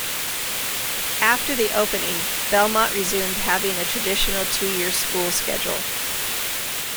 After the opening Belmont resumed having a traditional two-year school schedule.